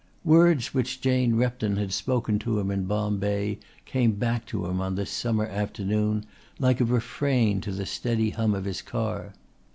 Words which Jane Repton had spoken to him in Bombay came back to him on this summer afternoon like a refrain to the steady hum of his car.